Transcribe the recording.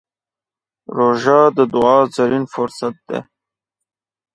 روژه د دعا زرين فرصت دی.